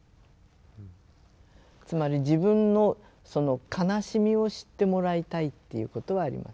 つまり自分の悲しみを知ってもらいたいっていうことはありますよね。